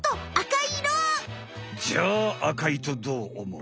じゃあ赤いとどうおもう？